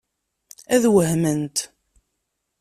Ad wehment.